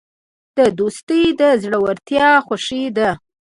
دوستي د زړونو خوښي ده.